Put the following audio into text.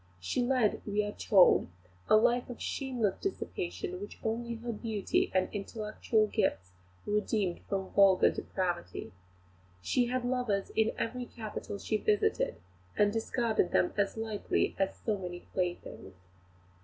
She led, we are told, a life of shameless dissipation, which only her beauty and intellectual gifts redeemed from vulgar depravity. She had lovers in every capital she visited, and discarded them as lightly as so many playthings.